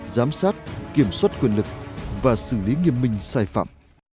giám sát kiểm soát quyền lực và xử lý nghiêm minh sai phạm